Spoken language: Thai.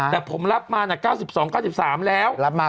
แต่ผมรับมานะ๙๒๙๓แล้ว